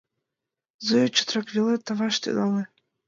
Зоя чотрак веле таваш тӱҥале.